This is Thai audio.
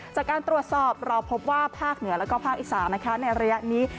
จากการตรวจสอบเราพบว่าภาคเหนือแล้วก็ภาคอีสานนะคะในระยะนี้